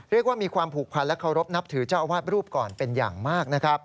เรียกว่ามีความผูกพันและเคารพนับถือเจ้าอาวาสรูปก่อนเป็นอย่างมาก